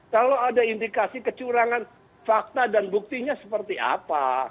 kalau ada indikasi kecurangan fakta dan buktinya seperti apa